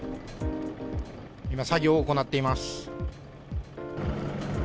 今、作業を行っています。